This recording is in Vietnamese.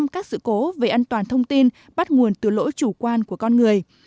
chín mươi năm các sự cố về an toàn thông tin bắt nguồn từ lỗi chủ quan của con người